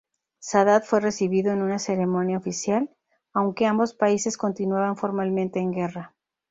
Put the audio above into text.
Sadat fue recibido en una ceremonia oficial, aunque ambos países continuaban formalmente en guerra.